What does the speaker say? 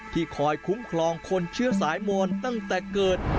คอยคุ้มครองคนเชื้อสายมอนตั้งแต่เกิด